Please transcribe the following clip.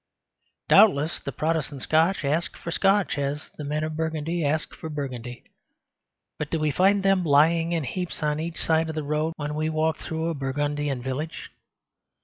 Doubtless the Protestant Scotch ask for "Scotch," as the men of Burgundy ask for Burgundy. But do we find them lying in heaps on each side of the road when we walk through a Burgundian village?